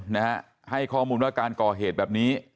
นะฮะให้ข้อมูลว่าการก่อเหตุแบบนี้